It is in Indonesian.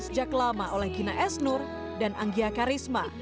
sejak lama oleh gina esnur dan anggia karisma